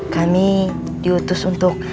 kami diutus untuk